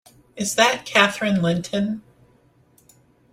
Is that Catherine Linton?